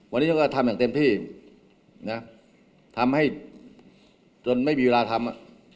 วันนี้ฉันก็ทำอย่างเต็มที่นะทำให้จนไม่มีเวลาทำ